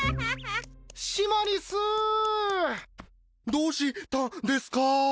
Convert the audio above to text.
どうしたんですか！？